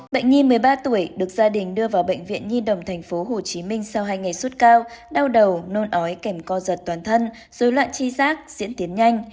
bệnh nhi một mươi ba tuổi được gia đình đưa vào bệnh viện nhi đồng tp hcm sau hai ngày suốt cao đau đầu nôn ói kèm co giật toàn thân dối loạn chi giác diễn tiến nhanh